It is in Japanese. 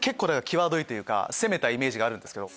際どいというか攻めたイメージがあるんですけど。